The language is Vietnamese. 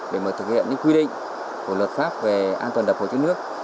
để mà thực hiện những quy định của luật pháp về an toàn đập hồ chứa nước